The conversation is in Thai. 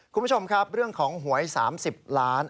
คุณผู้ชมครับเรื่องของหวย๓๐ล้าน